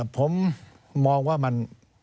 ผมมองว่ามัน